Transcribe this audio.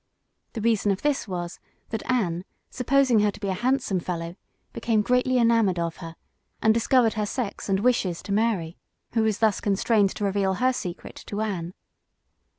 The reason of this was, that Anne, supposing her to be a handsome fellow, became greatly enamored of her, and discovered her sex and wishes to Mary, who was thus constrained to reveal her secret to Anne.